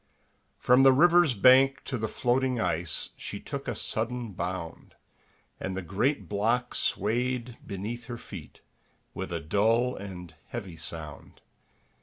From the river's bank to the floating ice She took a sudden bound, And the great block swayed beneath her feet With a dull and heavy sound.